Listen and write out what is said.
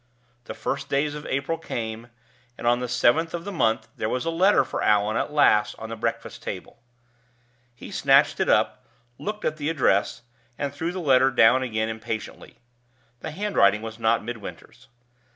The first days of April came, and on the seventh of the month there was a letter for Allan at last on the breakfast table. He snatched it up, looked at the address, and threw the letter down again impatiently. The handwriting was not Midwinter's.